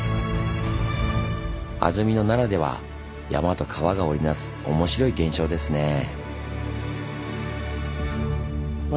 安曇野ならでは山と川が織り成す面白い現象ですねぇ。